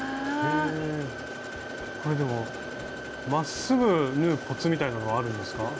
これでもまっすぐ縫うコツみたいのはあるんですか？